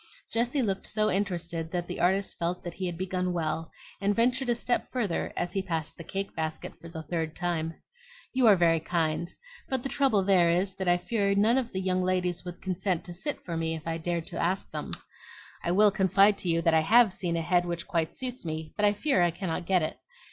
Jessie looked so interested that the artist felt that he had begun well, and ventured a step further as he passed the cake basket for the third time. "You are very kind; but the trouble there is, that I fear none of the young ladies would consent to sit to me if I dared to ask them. I will confide to you that I HAVE seen a head which quite suits me; but I fear I cannot get it.